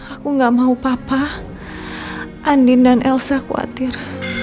aku gak mau papa andin dan elsa khawatir